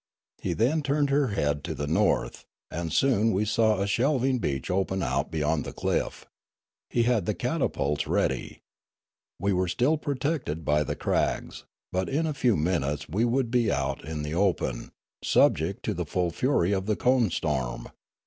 He then turned her head to the north, and soon we saw a shelving beach open out beyond the cliff. He had the catapults ready. We were still protected by the crags ; but in a few minutes we would be out in the open, subject to the full fury of the cone storm.